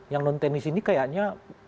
yang non teknis ini kayaknya